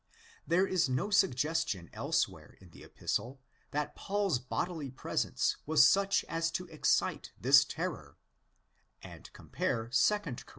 There is no suggestion elsewhere in the Epistle that Paul's bodily presence was such as to excite this terror; and compare 2 Cor.